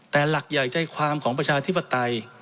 แต่หลักใหญ่ใจความของประชาธิปไตย